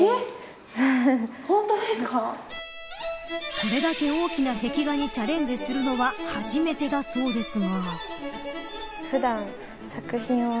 これだけ大きな壁画にチャレンジするのは初めてだそうですが。